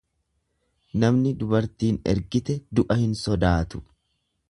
Namni dubartiin ergite du'a hin sodaatu.